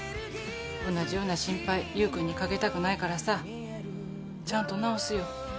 同じような心配優君にかけたくないからさちゃんと治すよ。